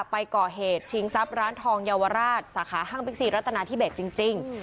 ไปก่อเหตุชิงทรัพย์ร้านทองเยาวราชสาขาห้างบิ๊กซีรัตนาธิเบสจริง